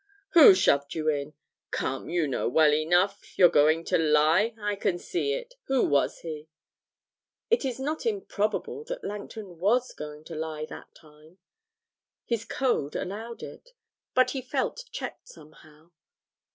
'Who shoved you in? Come, you know well enough; you're going to lie, I can see. Who was he?' It is not improbable that Langton was going to lie that time his code allowed it but he felt checked somehow.